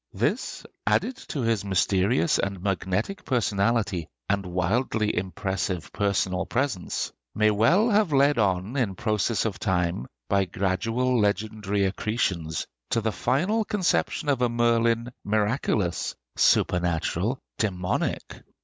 This, added to his mysterious and magnetic personality and wildly impressive personal presence, may well have led on in process of time, by gradual legendary accretions, to the final conception of a Merlin miraculous, supernatural, dæmonic!